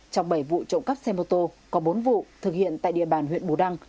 trong bảy vụ trộm cắp xe mô tô có bốn vụ thực hiện tại địa bàn huyện bù đăng